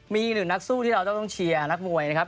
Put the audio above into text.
มีอีกหนึ่งนักสู้ที่เราต้องเชียร์นักมวยนะครับ